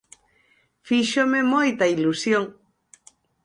Fíxome moita ilusión.